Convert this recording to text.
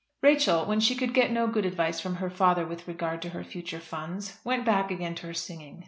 Rachel, when she could get no good advice from her father with regard to her future funds, went back again to her singing.